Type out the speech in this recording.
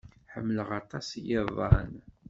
Ḥemmleɣ aṭas iḍan.